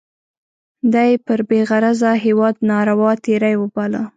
دا یې پر بې غرضه هیواد ناروا تېری باله.